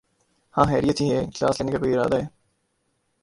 ہاں خیریت ہی ہے۔۔۔ کلاس لینے کا کوئی ارادہ ہے؟